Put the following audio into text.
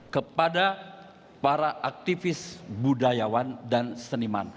kepada para aktivis budayawan dan seniman